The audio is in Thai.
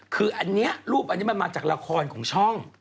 คืออันนี้รูปอันนี้มันมาจากละครของช่อง